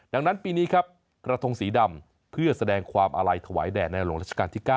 ดังนั้นปีนี้ครับกระทงสีดำเพื่อแสดงความอาลัยถวายแด่ในหลวงราชการที่๙